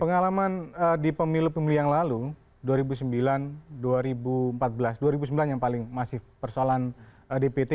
pengalaman di pemilu pemilu yang lalu dua ribu sembilan dua ribu empat belas dua ribu sembilan yang paling masif persoalan dpt